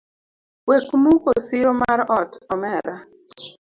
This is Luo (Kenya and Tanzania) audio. Wek muko siro mar ot omera.